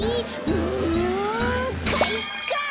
うんかいか！